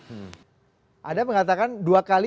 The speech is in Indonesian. hmm ada yang mengatakan dua kali